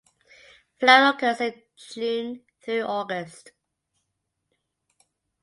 Flowering occurs in June thru August.